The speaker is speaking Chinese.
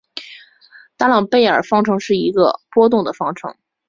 达朗贝尔方程是一个的波动方程。